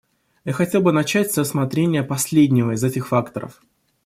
Я хотел бы начать с рассмотрения последнего из этих факторов.